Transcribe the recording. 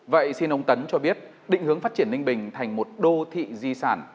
vậy xin ông tấn cho biết định hướng phát triển ninh bình thành một đô thị di sản